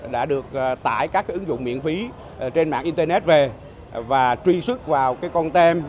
đã được tải các ứng dụng miễn phí trên mạng internet về và truy sức vào con tem